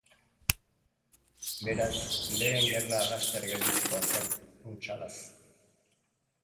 Beraz beren gerla laster gelditzekoa zen, untsalaz.